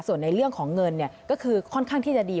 ส่วนในเรื่องของเงินก็คือค่อนข้างที่จะดี